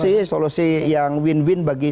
solusi solusi yang win win bagi